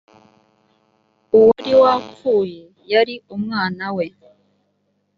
uwari wapfuye yari umwanawe.